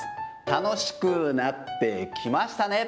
楽しくなってきましたね。